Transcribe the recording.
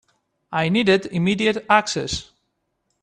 I needed immediate access.